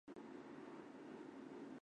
室町时代江户时代昭和时期平成时期